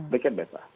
begitu mbak eva